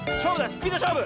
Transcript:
スピードしょうぶ！